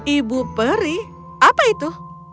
ibu peri apa itu